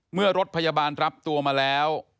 เมื่อรถพยาบาลรับตัวมาแล้ว